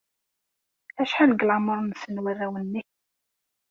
Acḥal deg leɛmeṛ-nsen warraw-nnek?